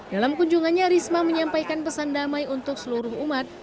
dalam kunjungannya risma menyampaikan pesan damai untuk seluruh umat